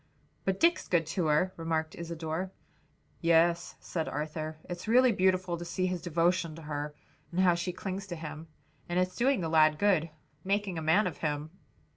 "But Dick's good to her," remarked Isadore. "Yes," said Arthur, "it's really beautiful to see his devotion to her and how she clings to him. And it's doing the lad good; making a man of him."